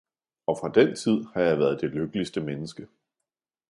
Og fra den tid har jeg været det lykkeligste menneske.